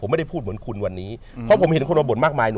ไม่ได้พูดเหมือนคุณวันนี้เพราะผมเห็นคนมาบ่นมากมาย